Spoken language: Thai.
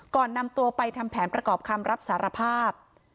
นำตัวไปทำแผนประกอบคำรับสารภาพ